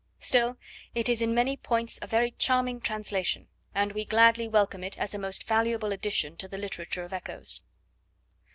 Still, it is in many points a very charming translation, and we gladly welcome it as a most valuable addition to the literature of echoes.